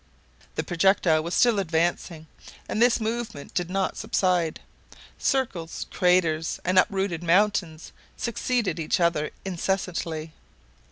The projectile was still advancing, and this movement did not subside. Circles, craters, and uprooted mountains succeeded each other incessantly.